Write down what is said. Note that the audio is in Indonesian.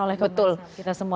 oleh komnas ham betul